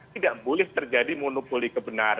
tidak boleh terjadi monopoli kebenaran